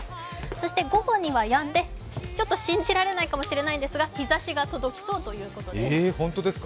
そして午後にはやんで、ちょっと信じられないかもしれませんが日ざしが届きそうということです。